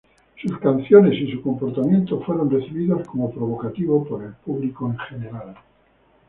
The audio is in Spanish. Sus canciones y su comportamiento fueron recibidos como provocativo por el público en general.